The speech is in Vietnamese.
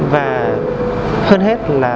và hơn hết là